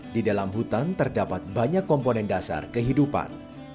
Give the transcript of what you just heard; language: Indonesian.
di dalam hutan terdapat banyak komponen dasar kehidupan